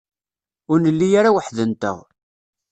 Ur nelli ara weḥd-nteɣ.